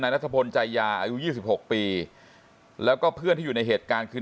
นัทพลใจยาอายุ๒๖ปีแล้วก็เพื่อนที่อยู่ในเหตุการณ์คือ